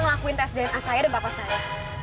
sudah ngelakuin tes dna saya dan papa saya